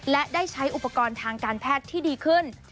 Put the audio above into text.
และได้ใช้อุปกรณ์ทางการแพทย์ที่ดีขึ้น